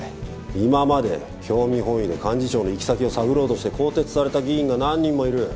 今まで興味本位で幹事長の行き先を探ろうとして更迭された議員が何人もいる。